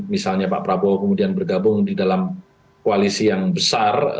misalnya pak prabowo kemudian bergabung di dalam koalisi yang besar